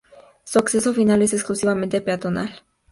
El acceso final es exclusivamente peatonal.